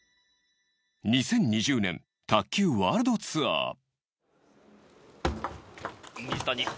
２０２０年卓球ワールドツアー。